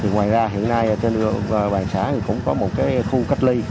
ngoài ra hiện nay trên bàn xã cũng có một khu cách ly